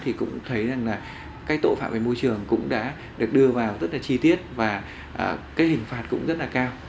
thì cũng thấy rằng là cái tội phạm về môi trường cũng đã được đưa vào rất là chi tiết và cái hình phạt cũng rất là cao